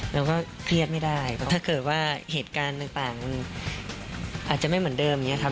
เราก็เครียดไม่ได้ถ้าเกิดว่าเหตุการณ์ต่างมันอาจจะไม่เหมือนเดิมอย่างนี้ครับ